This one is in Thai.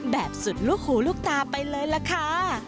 แบบสุดลูกหูลูกตาไปเลยล่ะค่ะ